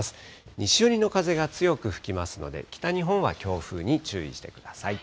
西寄りの風が強く吹きますので、北日本は強風に注意してください。